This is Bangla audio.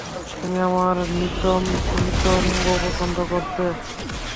তুমি আমার নিতম্ব পছন্দ করতে।